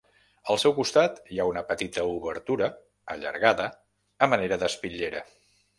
Al seu costat hi ha una petita obertura allargada a manera d'espitllera.